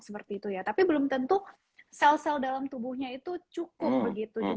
seperti itu ya tapi belum tentu sel sel dalam tubuhnya itu cukup begitu